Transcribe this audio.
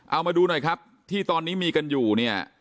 เอามาดูหน่อยครับที่ตอนนี้มีกันอยู่เนี่ย